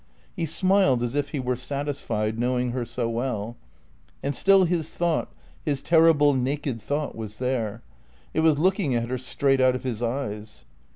He smiled as if he were satisfied, knowing her so well. And still his thought, his terrible naked thought, was there. It was looking at her straight out of his eyes.